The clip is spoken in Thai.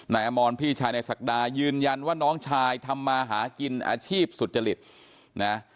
อมรพี่ชายในศักดายืนยันว่าน้องชายทำมาหากินอาชีพสุจริตนะ